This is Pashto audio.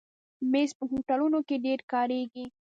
مېز په هوټلونو کې ډېر کارېږي.